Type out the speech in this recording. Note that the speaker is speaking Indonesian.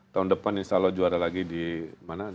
tahun depan insya allah juara lagi di mana